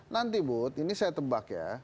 nanti bu ini saya tebak ya